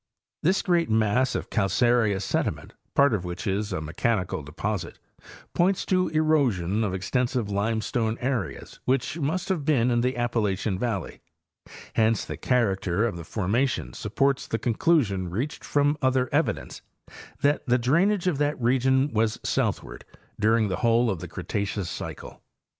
This great mass of calcareous sediment, part of which is a mechanical deposit, points to erosion of ex tensive limestone areas which must have been in the Appa lachian valley; hence the character of the formation siipports the conclusion reached from other evidence, that the drainage of that region was southward during the whole of the Cre taceous cycle.